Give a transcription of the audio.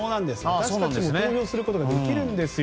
私たちも投票することができるんですよ。